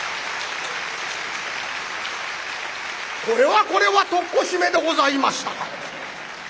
「これはこれは徳子姫でございましたか。